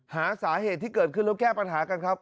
หาสาเหตุที่เกิดขึ้นแล้วแก้ปัญหากันครับ